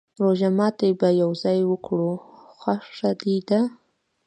روژه ماته به يو ځای وکرو، خوښه دې ده؟